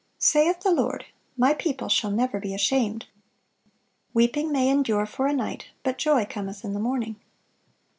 (585) Saith the Lord: "My people shall never be ashamed."(586) "Weeping may endure for a night, but joy cometh in the morning."